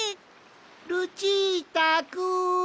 ルチータくん！